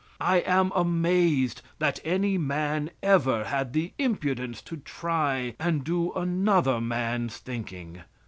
I am amazed that any man ever had the impudence to try and do another man's thinking.